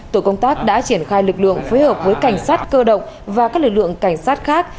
tổ công tác đã triển khai lực lượng phối hợp với cảnh sát cơ động và các lực lượng cảnh sát khác